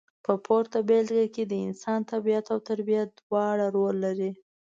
په پورته بېلګه کې د انسان طبیعت او تربیه دواړه رول لري.